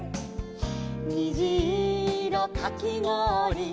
「にじいろかきごおり」